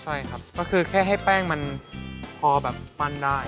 ใช่ครับก็คือแค่ให้แป้งมันพอแบบปั้นได้